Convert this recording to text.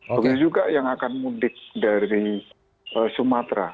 begitu juga yang akan mudik dari sumatera